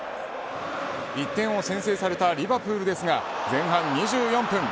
１点を先制されたリヴァプールですが前半２４分。